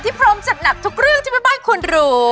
ที่พร้อมจัดหนักทุกเรื่องที่เป็นบ้านคุณรู้